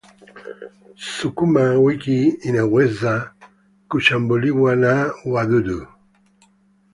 Sukuma wiki inaweza kushambuliwa na wadudu